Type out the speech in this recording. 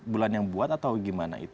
bulan yang buat atau gimana itu